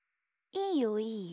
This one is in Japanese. いいよいいよ。